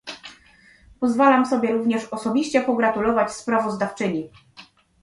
Pozwalam sobie również osobiście pogratulować sprawozdawczyni